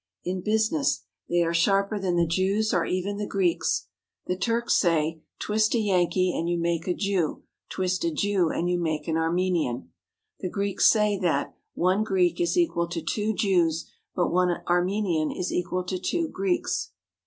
In business they are sharper than the 271 THE HOLY LAND AND SYRIA Jews or even the Greeks. The Turks say, "Twist a Yankee and you make a Jew, twist a Jew and you make an Armenian. " The Greeks say that "one Greek is equal to two Jews, but one Armenian is equal to two Greeks."